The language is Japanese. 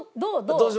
どう？